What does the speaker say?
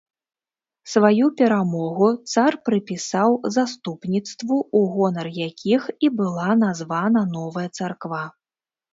Сваю перамогу цар прыпісаў заступніцтву у гонар якіх і была названа новая царква.